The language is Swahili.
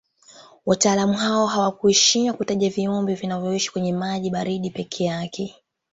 Wataalamu hao hawakuishia kutaja viumbe vinavyoishi kwenye maji baridi peke yake